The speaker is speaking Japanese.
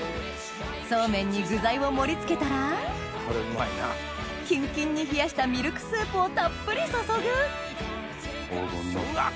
そうめんに具材を盛り付けたらキンキンに冷やしたミルクスープをたっぷり注ぐうわっ